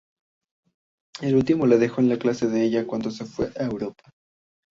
El último le dejó la clase a ella cuando se fue a Europa.